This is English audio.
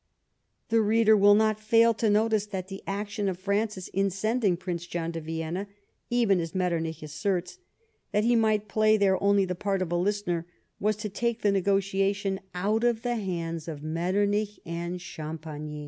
The reader will not fail to notice that the action of Francis in sending Prince John to Vienna, even as jNIetternich asserts, that he might play there only the part of a listener, was to take the negotiation out of the hands of Metternich and Champagny.